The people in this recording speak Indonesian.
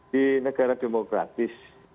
di negara demokratis